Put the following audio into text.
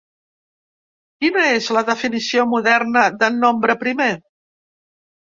Quina és la definició moderna de nombre primer?